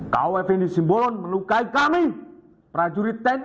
kau fnd simbolon melukai kami prajurit tni